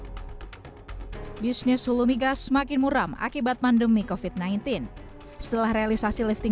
hai bisnis hulu migas semakin muram akibat pandemi kofit sembilan belas setelah realisasi lifting